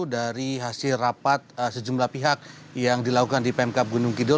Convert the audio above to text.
dari hasil rapat sejumlah pihak yang dilakukan di pemkap gunung kidul